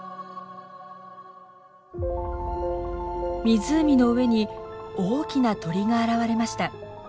湖の上に大きな鳥が現れました。